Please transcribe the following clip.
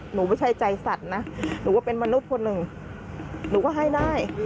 ไม่ใช่ใจสัตว์นะหนูก็เป็นมนุษย์คนหนึ่งหนูก็ให้ได้